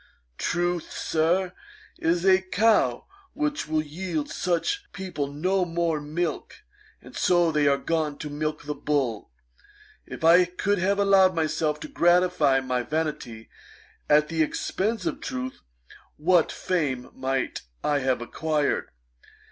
Truth, Sir, is a cow which will yield such people no more milk, and so they are gone to milk the bull. If I could have allowed myself to gratify my vanity at the expence of truth, what fame might I have acquired.